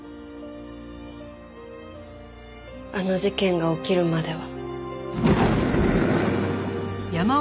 あの事件が起きるまでは。